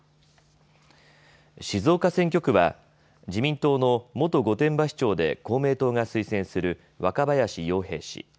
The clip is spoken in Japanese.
静岡選挙区は自民党の元御殿場市長で公明党が推薦する若林洋平氏。